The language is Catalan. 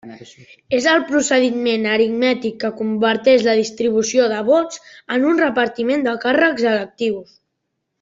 És el procediment aritmètic que converteix la distribució de vots en un repartiment de càrrecs electius.